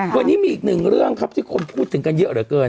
วันนี้มีอีกหนึ่งเรื่องครับที่คนพูดถึงกันเยอะเหลือเกิน